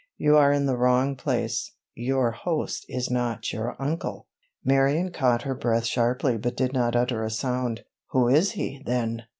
You are in the wrong place—your host is not your uncle!" Marion caught her breath sharply but did not utter a sound. "Who is he, then?"